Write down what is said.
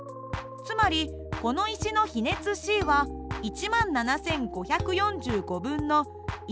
つまりこの石の比熱ｃは１７，５４５分の１２，６８４